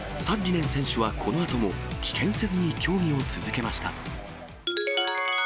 サッリネン選手はこのあとも棄権せずに競技を続けました。